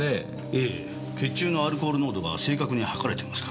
ええ血中のアルコール濃度が正確に測れてますから。